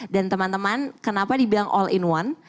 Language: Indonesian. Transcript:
dan teman teman kenapa dibilang all in one